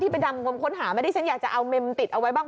ที่ไปดำคนหามาที่ฉันอยากจะเอาเม็มติดเอาไว้บ้าง